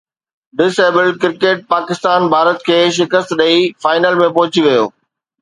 dis abled cricket Pakistan Bharat کي شڪست ڏئي فائنل ۾ پهچي ويو